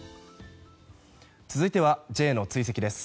続いてはＪの追跡です。